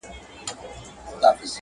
تر ښځه ونو او طبیعت کاږي